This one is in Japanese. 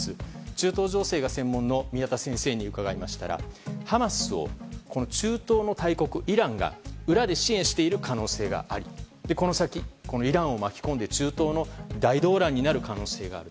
中東情勢が専門の宮田先生に伺いますとハマスを、中東の大国イランが裏で支援している可能性がありこの先、イランを巻き込んで中東の大動乱になる可能性がある。